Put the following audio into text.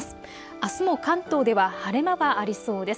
あすも関東では晴れ間がありそうです。